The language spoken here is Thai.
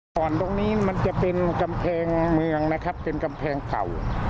ตรงนี้มันจะเป็นกำแพงเมืองนะครับเป็นกำแพงเก่า